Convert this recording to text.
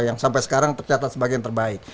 yang sampai sekarang tercatat sebagai yang terbaik